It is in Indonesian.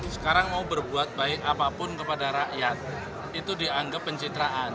sekarang mau berbuat baik apapun kepada rakyat itu dianggap pencitraan